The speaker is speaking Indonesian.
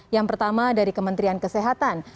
yang pertama dari kementerian kesehatan